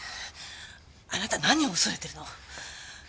あなた何を恐れてるの？